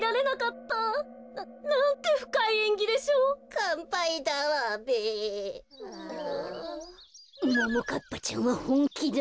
こころのこえももかっぱちゃんはほんきだ。